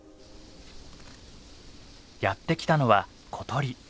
やって来たのは小鳥。